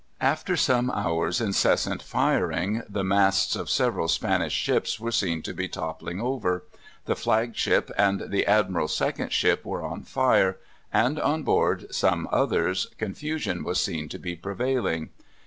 After some hours' incessant firing, the masts of several Spanish ships were seen to be toppling over; the flag ship and the Admiral's second ship were on fire, and on board some others confusion was seen to be prevailing.